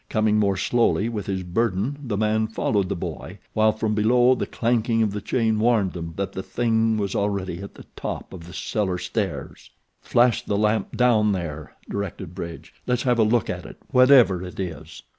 Coming more slowly with his burden the man followed the boy, while from below the clanking of the chain warned them that the THING was already at the top of the cellar stairs. "Flash the lamp down there," directed Bridge. "Let's have a look at it, whatever it is."